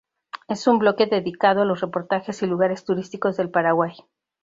Es un bloque dedicado a los reportajes y lugares turísticos del Paraguay